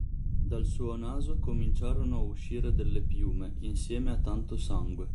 Dal suo naso cominciano a uscire delle piume, insieme a tanto sangue.